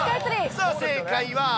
さあ、正解は。